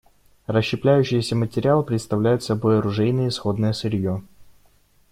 Расщепляющийся материал представляет собой оружейное исходное сырье.